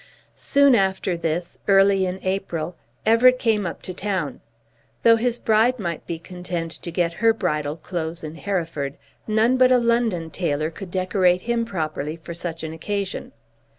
Soon after this, early in April, Everett came up to town. Though his bride might be content to get her bridal clothes in Hereford, none but a London tailor could decorate him properly for such an occasion.